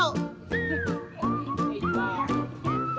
เฮ้ยไอ้บ้า